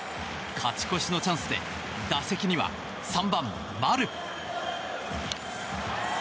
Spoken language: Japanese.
勝ち越しのチャンスで打席には３番、丸。